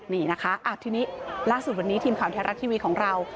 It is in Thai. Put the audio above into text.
นี่นะคะทีนี้ล่าสุดวันนี้ทีมข่าวไทยรัฐทีวีของเรา